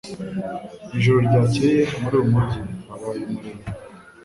Mu ijoro ryakeye muri uyu mujyi habaye umuriro